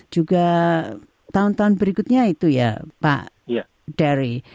juga tahun tahun berikutnya itu ya pak derry